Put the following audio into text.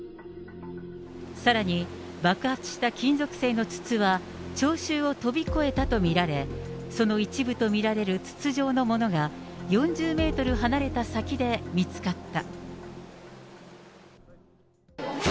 さらに、爆発した金属製の筒は聴衆を飛び越えたと見られ、その一部と見られる筒状のものが４０メートル離れた先で見つかった。